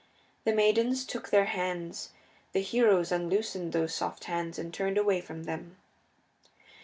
The maidens took their hands; the heroes unloosed those soft hands and turned away from them.